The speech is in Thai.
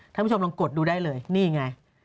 ท่านผู้ชมลองกดดูได้เลยนี่ไง